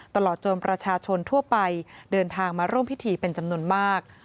ตลอดจนประชาชนทั่วไปเดินทางมาร่วมพิธีเป็นจำนวนมาก